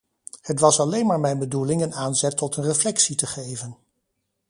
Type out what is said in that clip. Het was alleen maar mijn bedoeling een aanzet tot een reflectie te geven.